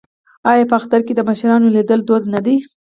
آیا په اختر کې د مشرانو لیدل دود نه دی؟